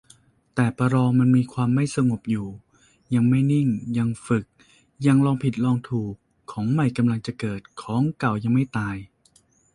แต่ ประลอง มันมีความไม่สงบอยู่ ยังไม่นิ่ง ยังฝึก ยังลองผิดลองถูก ของใหม่กำลังจะเกิด ของเก่ายังไม่ตาย